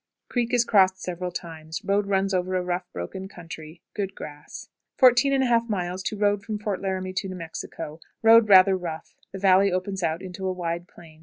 Creek is crossed several times. Road runs over a rough, broken country. Good grass. 14 1/2. Road from Fort Laramie to New Mexico. Road rather rough. The valley opens out into a wide plain.